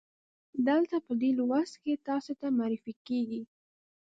دلته په دې لوست کې تاسې ته معرفي کیږي.